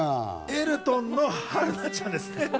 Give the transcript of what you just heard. エルトンの春菜ちゃんです。